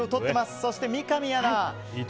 そして、三上アナ